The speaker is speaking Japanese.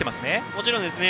もちろんですね。